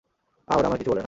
আহ, ওরা আমায় কিছু বলে না।